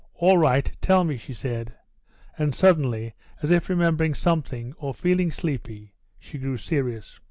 "All right; tell me," she said. And suddenly, as if remembering something, or feeling sleepy, she grew serious.